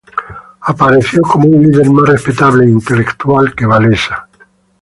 Apareció como un líder más respetable e intelectual que Wałęsa.